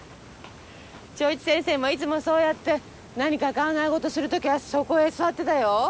正一先生もいつもそうやって何か考え事するときはそこへ座ってたよ。